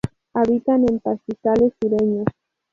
Habitan en pastizales sureños.